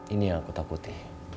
ini yang aku takuti